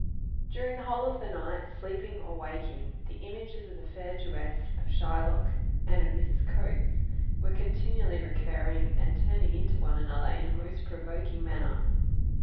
During the whole of the night, sleeping or waking, the images of the fair Jewess, of Shylock, and of Mrs. Coates, were continually recurring, and turning into one another in a most provoking manner.